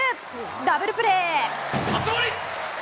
ダブルプレー！